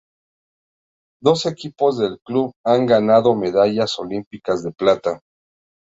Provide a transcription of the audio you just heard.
Dos equipos del club han ganado medallas olímpicas de plata.